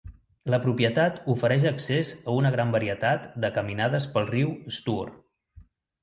La propietat ofereix accés a una gran varietat de caminades pel riu Stour.